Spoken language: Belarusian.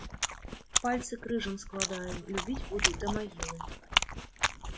Пальцы крыжам складаю, любіць буду да магілы.